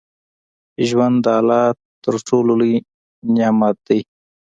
ژوند د الله تر ټولو لوى نعمت ديه.